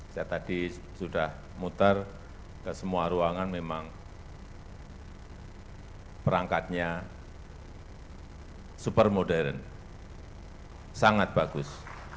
saya tadi sudah muter ke semua ruangan memang perangkatnya super modern sangat bagus